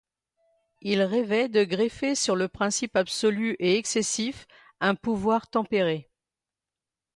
Ils rêvaient de greffer sur le principe absolu et excessif un pouvoir tempéré.